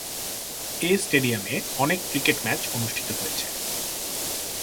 এ স্টেডিয়ামে অনেক cricket match অনুষ্ঠিত হয়েছে।